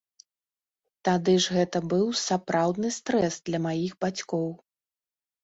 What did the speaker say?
Тады ж гэта быў сапраўдны стрэс для маіх бацькоў.